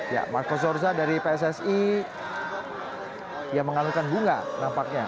ya marco sorsa dari pssi yang mengalungkan bunga nampaknya